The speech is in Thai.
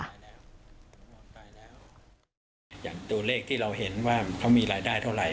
ตายแล้วอย่างตัวเลขที่เราเห็นว่าเขามีรายได้เท่าไหร